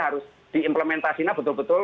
harus diimplementasinya betul betul